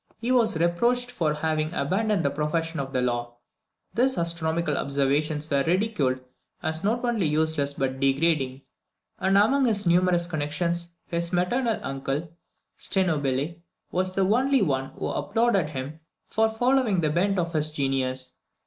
He was reproached for having abandoned the profession of the law; his astronomical observations were ridiculed as not only useless but degrading, and, among his numerous connexions, his maternal uncle, Steno Bille, was the only one who applauded him for following the bent of his genius.